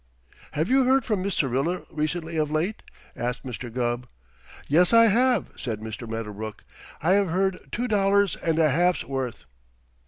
"Have you heard from Miss Syrilla recently of late?" asked Mr. Gubb. "Yes, I have," said Mr. Medderbrook. "I have heard two dollars and a half's worth."